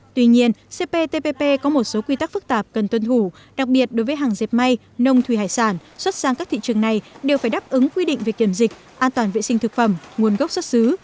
tuy nhiên cptpp có một số quy tắc phức tạp cần tuân thủ đặc biệt đối với hàng dẹp may nông thủy hải sản xuất sang các thị trường này đều phải đáp ứng quy định về kiểm dịch an toàn vệ sinh thực phẩm nguồn gốc xuất xứ